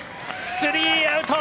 スリーアウト。